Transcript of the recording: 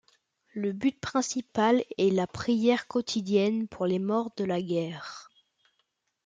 Le but principal est la prière quotidienne pour les morts de la guerre.